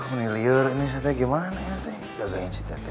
ini liar ini tete gimana ya tete jagain si tete